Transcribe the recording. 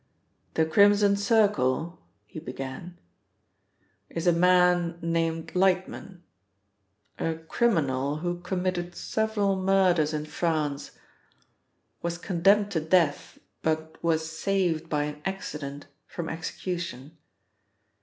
"The Crimson Circle," he began, "is a man named Lightman, a criminal who committed several murders in France, was condemned to death, but was saved by an accident from execution.